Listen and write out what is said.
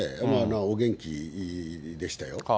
お元気でしたよ。